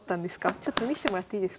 ちょっと見してもらっていいですか？